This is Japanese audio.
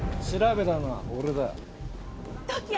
調べたのは俺だ。